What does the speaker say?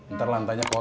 ntar lantainya kotor